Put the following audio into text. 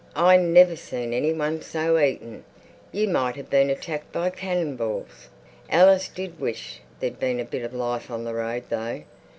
"I never seen anyone so eaten. You might have been attacked by canningbals." Alice did wish there'd been a bit of life on the road though.